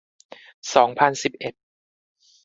สองพันสิบเอ็ด